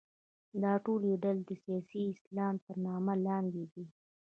دا ټولې ډلې د سیاسي اسلام تر نامه لاندې دي.